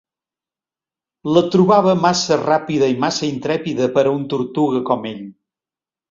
La trobava massa ràpida i massa intrèpida per a un tortuga com ell.